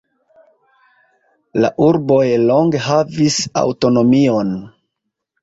La urboj longe havis aŭtonomion.